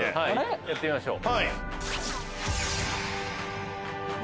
やってみましょう。